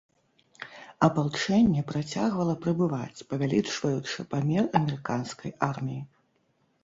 Апалчэнне працягвала прыбываць, павялічваючы памер амерыканскай арміі.